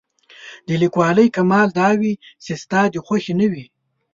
د لیکوالۍ کمال دا وي چې ستا د خوښې نه وي.